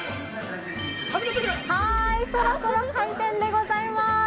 そろそろ開店でございます。